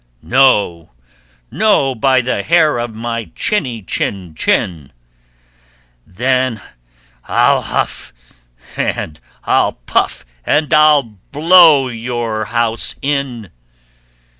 "No, no, by the hair of my chinny chin chin." "Then I'll huff and I'll puff, and I'll blow your house in."